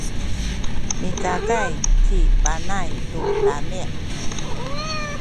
micakay ci Panay tu lami’.